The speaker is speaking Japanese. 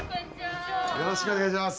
よろしくお願いします。